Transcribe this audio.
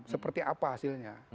seperti apa hasilnya